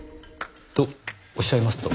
とおっしゃいますと？